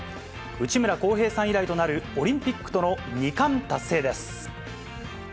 内村航平さん以来となるオリンピックとの２冠達成です。